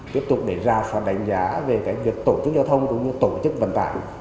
tiếp tục để ra soạn đánh giá về việc tổ chức giao thông cũng như tổ chức vận tải